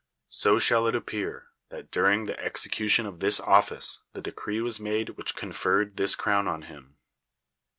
So shall it appear, that during tlie execution of this office the de cree was made which conferred this crown on him.